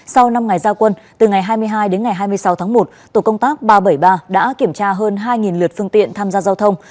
sau năm ngày gia quân từ ngày hai mươi hai đến ngày hai mươi sáu tháng một tổ công tác ba trăm bảy mươi ba đã kiểm tra hơn hai lượt phương tiện tham gia giao thông